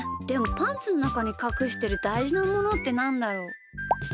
でもパンツのなかにかくしてるだいじなものってなんだろう？